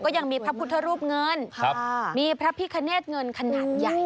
ยังมีพระพุทธรูปเงินมีพระพิคเนตเงินขนาดใหญ่